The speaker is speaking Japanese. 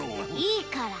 いいから。